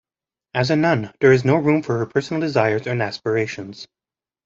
As a nun there is no room for her personal desires and aspirations.